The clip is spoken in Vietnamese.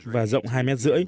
và rộng hai m ba mươi